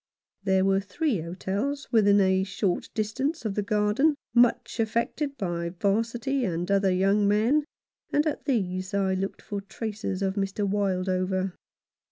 There were three hotels within a short distance of the Garden much affected by 'Varsity and other young men, and at these I looked for traces of Mr. Wildover.